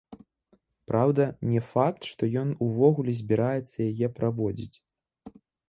Праўда, не факт, што ён увогуле збіраецца яе праводзіць.